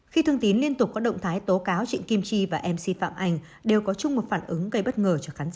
khi thông tin liên tục có động thái tố cáo trịnh kim chi và mc phạm anh đều có chung một phản ứng gây bất ngờ cho khán giả